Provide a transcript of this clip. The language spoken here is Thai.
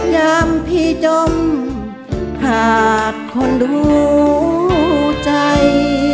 ยามพี่จมขาดคนรู้ใจ